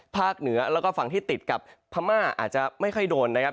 เหนือแล้วก็ฝั่งที่ติดกับพม่าอาจจะไม่ค่อยโดนนะครับ